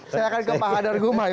saya akan ke pak hadar gumai